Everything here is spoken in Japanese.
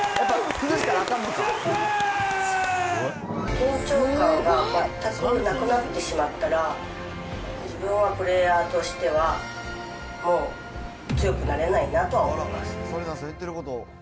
緊張感が全くなくなってしまったら、自分はプレイヤーとしては、もう強くなれないなとは思います。